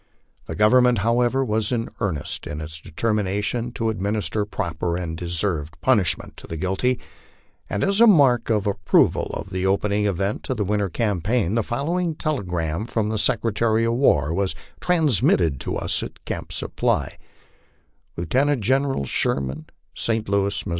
The Government, however, was in earnest in its determination to admin ister proper and deserved punishment to the guilty ; and as a mark of ap proval of the opening event of the winter campaign, the following telegram from the Secretary of War was transmitted to us at Camp Supply : LIEUTENANT GENERAL SHERMAN, St. Louis, Mo.